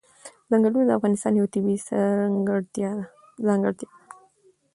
ځنګلونه د افغانستان یوه طبیعي ځانګړتیا ده.